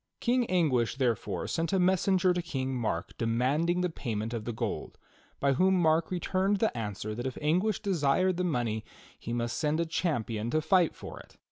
King Anguish, therefore, sent a messenger to King Mark de manding the payment of the gold, by whom Mark returned the answer that if Anguish desired the money he must send a champion to fight for it.